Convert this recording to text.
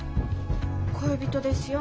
恋人ですよ